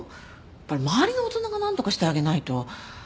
周りの大人が何とかしてあげないと。